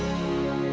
tolong beli beli